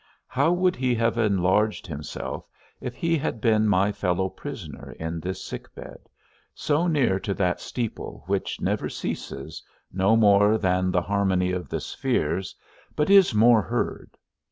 How would he have enlarged himself if he had been my fellow prisoner in this sick bed, so near to that steeple which never ceases, no more than the harmony of the spheres, but is more heard.